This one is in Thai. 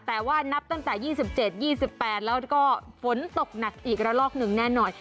แต่ว่านับตั้งแต่ยี่สิบเจ็ดยี่สิบแปดแล้วก็ฝนตกหนักอีกละลอกหนึ่งแน่หน่อย